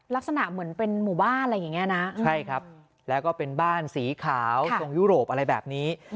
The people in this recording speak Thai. ลักษณะเหมือนเป็นหมู่บ้านอะไรอย่างนี้นะใช่ครับแล้วก็เป็นบ้านสีขาวทรงยุโรปอะไรแบบนี้